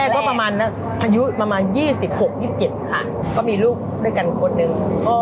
๒๗ค่ะก็มีลูกด้วยกันคนนึง